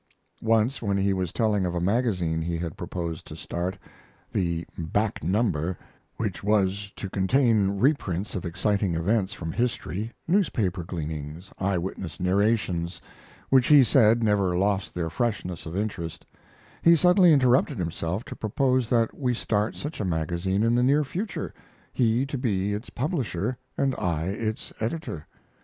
Once, when he was telling of a magazine he had proposed to start, the Back Number, which was, to contain reprints of exciting events from history newspaper gleanings eye witness narrations, which he said never lost their freshness of interest he suddenly interrupted himself to propose that we start such a magazine in the near future he to be its publisher and I its editor.